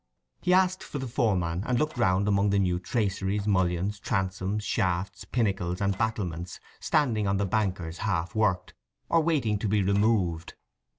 He asked for the foreman, and looked round among the new traceries, mullions, transoms, shafts, pinnacles, and battlements standing on the bankers half worked, or waiting to be removed.